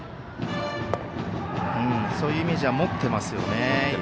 そういうイメージは持っていますね。